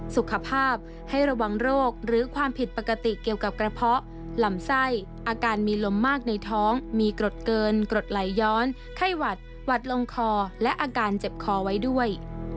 สุขภาพให้ระวังโรคหรือความผิดปกติเกี่ยวกับกระเพาะลำไส้อาการมีลมมากในท้องมีกรดเกินกรดไหลย้อนไข้หวัดหวัดลงคอและอาการเจ็บคอไว้ด้วย